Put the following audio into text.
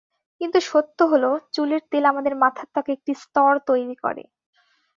কিন্তু সত্য হলো, চুলের তেল আমাদের মাথার ত্বকে একটি স্তর তৈরি করে।